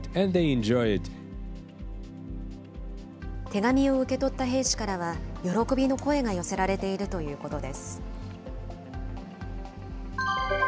手紙を受け取った兵士からは、喜びの声が寄せられているということです。